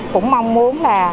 cũng mong muốn là